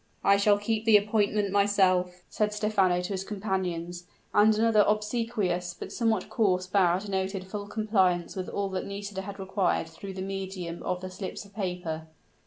"I shall keep the appointment myself," said Stephano to his companions; and another obsequious but somewhat coarse bow denoted full compliance with all that Nisida had required through the medium of the slips of paper.